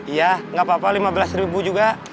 iya nggak apa apa lima belas ribu juga